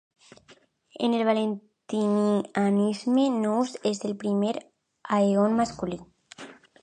En el Valentinianisme, Nous és el primer Aeon masculí.